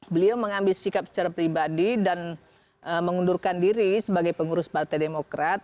beliau mengambil sikap secara pribadi dan mengundurkan diri sebagai pengurus partai demokrat